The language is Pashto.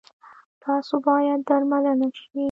تاسو باید درملنه شی